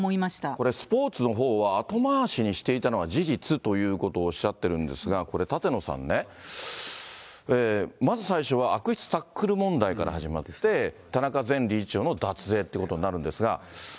これ、スポーツのほうは後回しにしていたのは事実ということをおっしゃってるんですが、これ、舘野さんね、まず最初は悪質タックル問題から始まって、田中前理事長の脱税ということになるんですが。